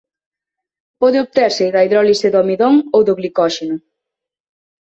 Pode obterse da hidrólise do amidón ou do glicóxeno.